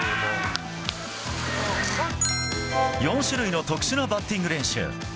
４種類の特殊なバッティング練習。